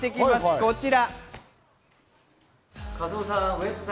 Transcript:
こちら。